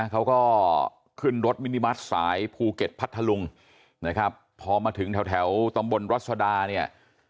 เขาก็ขึ้นรถมินิมัติสายภูเก็ตพัทธลุงนะครับพอมาถึงแถวตำบลรัศดาเนี่ย